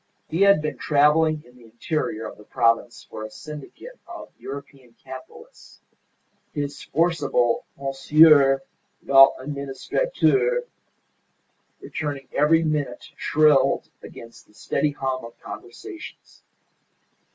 He had been travelling in the interior of the province for a syndicate of European capitalists. His forcible "Monsieur l'Administrateur" returning every minute shrilled above the steady hum of conversations.